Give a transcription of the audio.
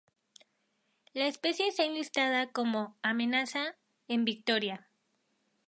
La especie está enlistada como "amenazada" en Victoria.